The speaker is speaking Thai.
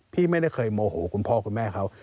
พี่ไม่ได้เคยโมโหคุณพ่อคุณแม่เขา